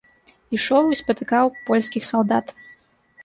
Ішоў і спатыкаў польскіх салдат.